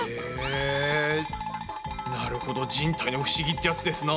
へぇなるほど人体の不思議ってやつですな。